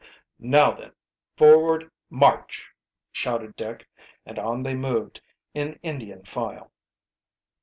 "Now then, forward march!" shouted Dick. And on they moved, in Indian file.